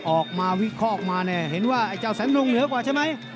ออกมาวิเคราะห์มาเนี่ยเห็นว่าไอ้เจ้าแสนนงเหนือกว่าใช่ไหม